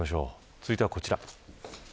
続いてはこちら。